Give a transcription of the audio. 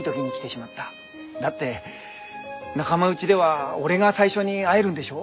だって仲間内では俺が最初に会えるんでしょ？